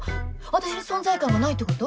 私に存在感がないってこと？